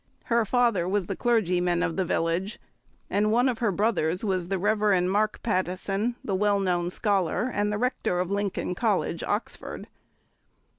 Her father was the clergyman of the village, and one of her brothers was the Rev. Mark Pattison, the well known scholar and the Rector of Lincoln College, Oxford.